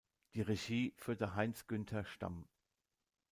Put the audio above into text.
Die Regie führte Heinz-Günter Stamm.